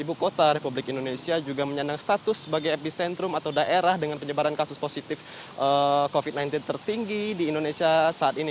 ibu kota republik indonesia juga menyandang status sebagai epicentrum atau daerah dengan penyebaran kasus positif covid sembilan belas tertinggi di indonesia saat ini